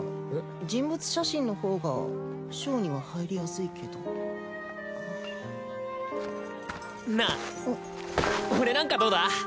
人物写真のほうが賞には入りやすいけどなあ俺なんかどうだ？